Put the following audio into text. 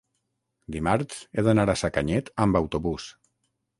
Dimarts he d'anar a Sacanyet amb autobús.